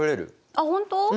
あっ本当？